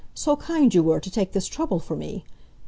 So kind you were, to take this trouble for me.